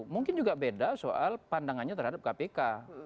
mungkin juga beda soal pandangannya terhadap kpk